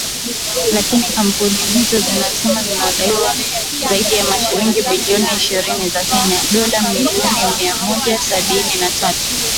Lakini kampuni hizo zinasema wanadai zaidi ya shilingi bilioni ishirini za Kenya (dola milioni mia moja sabini na tatu)